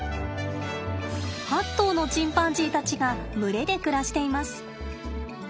８頭のチンパンジーたちが群れで暮らしています。